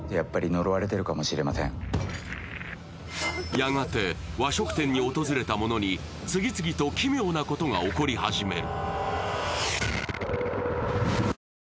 やがて和食店に訪れた者に次々と奇妙なことが起こり始める。